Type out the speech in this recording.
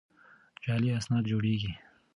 جعلي اسناد جوړېږي.